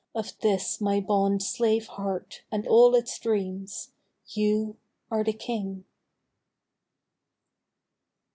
Of this my bond slave heart and all its dreams You are the King